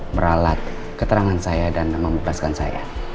meralat keterangan saya dan membebaskan saya